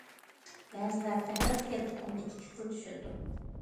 بەزىلەر« تەھرىر» دېگەن ئۇقۇمنى ئىككى خىل چۈشىنىدۇ.